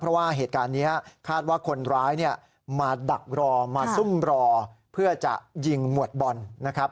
เพราะว่าเหตุการณ์นี้คาดว่าคนร้ายเนี่ยมาดักรอมาซุ่มรอเพื่อจะยิงหมวดบอลนะครับ